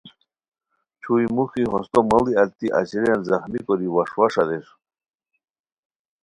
چھوئی موخی ہوستو ماڑی التی اژیلیان زخمی کوری وݰ وݰ اریر